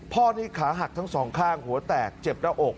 พ่อนี่ขาหักทั้งสองข้างหัวแตกเจ็บหน้าอก